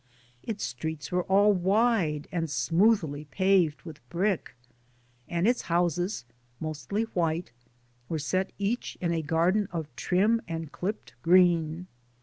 Its streets were all wide and smoothly paved with brick, and its houses, mostly white, were set each in a garden of trim and clipped green.